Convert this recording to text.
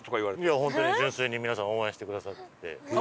いや本当に純粋に皆さん応援してくださって。